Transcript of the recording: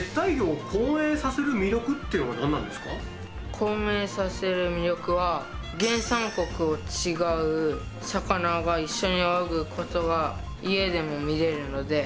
混泳させる魅力は原産国の違う魚が一緒に泳ぐことが家でも見れるので。